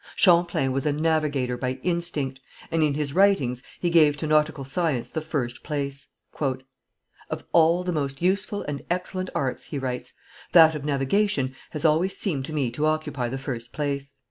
Champlain was a navigator by instinct, and in his writings he gave to nautical science the first place. "Of all the most useful and excellent arts," he writes, "that of navigation has always seemed to me to occupy the first place.